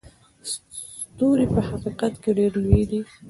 ستوري په حقیقت کې ډېر لوی دي.